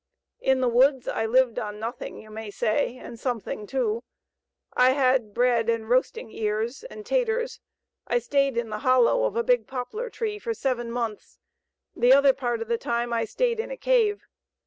In the woods I lived on nothing, you may say, and something too. I had bread, and roasting ears, and 'taters. I stayed in the hollow of a big poplar tree for seven months; the other part of the time I stayed in a cave.